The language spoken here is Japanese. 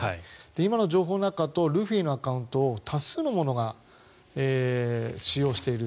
今の情報だとルフィのアカウントを多数の者が使用している。